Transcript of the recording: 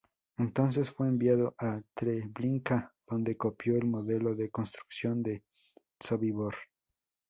Entonces fue enviado a Treblinka, donde copió el modelo de construcción de Sobibor.